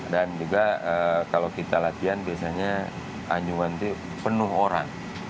dan juga kalau kita latihan biasanya anjungan ini penuh orang